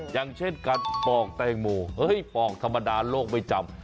อย่างเช่นการปอกแตงโมเฮ้ยปอกธรรมดาโลกไม่จำ